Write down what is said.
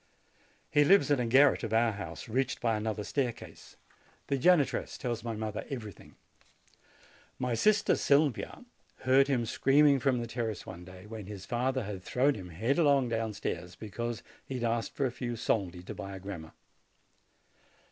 He lives in a garret of our house, reached by another staircase. The 90 JANUARY janitress tells my mother everything. My sister Sylvia heard him screaming from the terrace one day, when his father had thrown him headlong downstairs, because he had asked for a few soldi to buy a grammar.